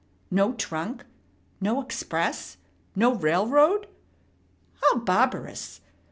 No trunk? No express? No railroad? How barbarous!